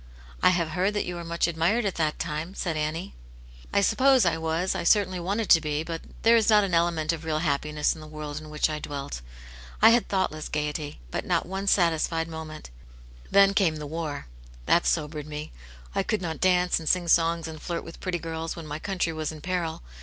*' I have heard that you were much admired at that time," said Annie. "I suppose I was, I certainly wanted to be. But there is not an element ot tea\Vv^^^m^'s»'& vsx^^^^vsM Aunt Janets Hero. 199 in which I dwelt. I had thoughtless gaiety, but not one satisfied moment. Then came the war. That sobered me. I could not dance and sing songs and flirt with pretty girls, when my country was in peril.